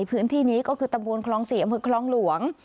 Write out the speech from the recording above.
พื้นที่นี้ก็คือตำรวจคลองศรีอคลองหลวง